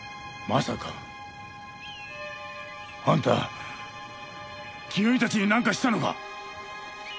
まさかあんた清美たちになんかしたのか！？